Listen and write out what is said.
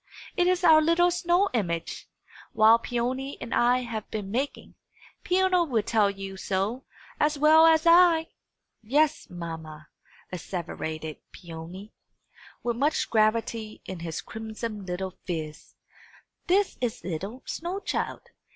It is our little snow image, which Peony and I have been making. Peony will tell you so, as well as I." "Yes, mamma," asseverated Peony, with much gravity in his crimson little phiz, "this is 'ittle snow child.